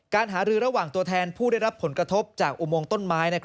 การหารือระหว่างตัวแทนผู้ได้รับผลกระทบจากอุโมงต้นไม้